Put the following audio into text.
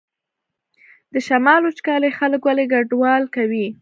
د شمال وچکالي خلک ولې کډوال کوي؟